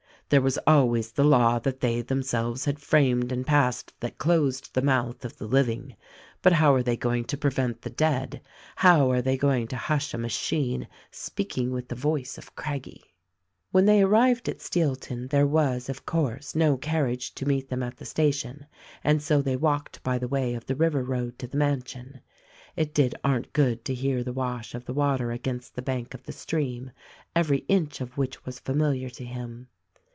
There was always the law that they them selves had framed and passed that closed the mouth of the living — but how are they going to prevent the dead ; how are they going to hush a machine speaking with the voice of Craggie ?" When they arrived at Steelton there was, of course, no carriage to meet them at the station and so they walked bv the way of the river road to the mansion. It did Arndt good to hear the wash of the water against the bank of the stream, every inch of which was familiar to him.